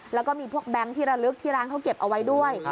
แล้วก็มีพวกแบงค์ที่ระลึกที่ร้านเขาเก็บเอาไว้ด้วย